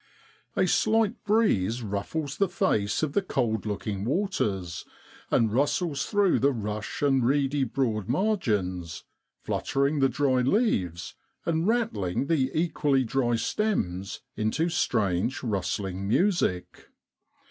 A slight breeze ruffles the face of the cold looking waters, and rustles through the rush and reedy broad margins, fluttering the dry leaves and rattling the equally dry stems into strange rustling music.